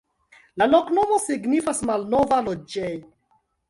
La loknomo signifas: malnova-loĝej'.